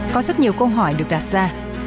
có rất nhiều câu hỏi được đặt ra